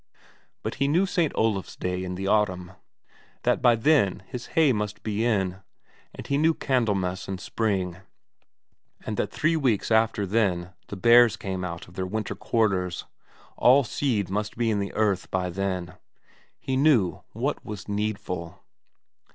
But he knew St. Olaf's Day in the autumn, that by then his hay must be in, and he knew Candlemas in spring, and that three weeks after then the bears came out of their winter quarters; all seed must be in the earth by then. He knew what was needful.